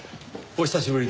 「お久しぶり」？